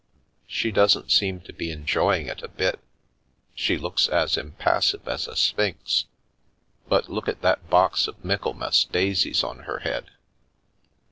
She doesn't seem to be enjoying it a bit, she looks as impassive as a sphinx. But look at that box of Michaelmas daisies on her head.